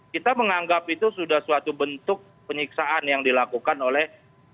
kita menganggap itu sudah suatu bentuk penyiksaan yang dilakukan oleh